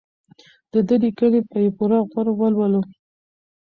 د ده لیکنې په پوره غور ولولو.